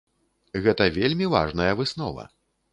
Гэта вельмі важная выснова.